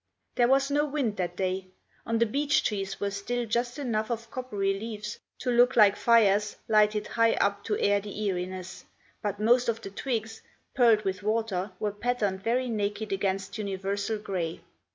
There was no wind that day. On the beech trees were still just enough of coppery leaves to look like fires lighted high up to air the eeriness; but most of the twigs, pearled with water, were patterned very naked against universal grey.